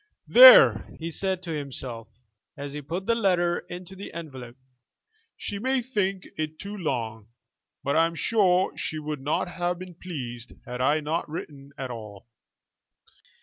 "There," he said to himself, as he put the letter into the envelope, "she may think it too long, but I am sure she would not have been pleased had I not written at all."